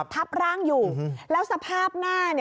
ทับร่างอยู่แล้วสภาพหน้า